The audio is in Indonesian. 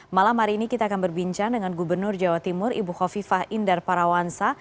malam hari ini kita akan berbincang dengan gubernur jawa timur ibu kofifah indar parawansa